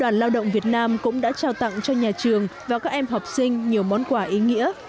đoàn lao động việt nam cũng đã trao tặng cho nhà trường và các em học sinh nhiều món quà ý nghĩa